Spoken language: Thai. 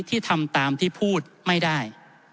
ที่ทำตามที่พูดไม่ได้